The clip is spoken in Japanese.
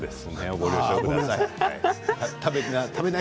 ご了承ください